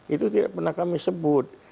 itu tidak pernah kami sebut